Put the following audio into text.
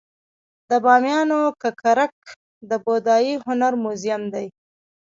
د بامیانو ککرک د بودايي هنر موزیم دی